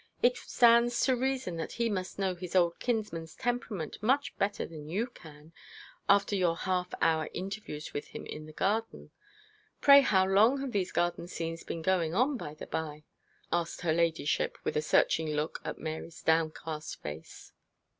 It stands to reason that he must know his old kinsman's temperament much better than you can, after your half hour interviews with him in the garden. Pray how long have these garden scenes been going on, by the by?' asked her ladyship, with a searching look at Mary's downcast face.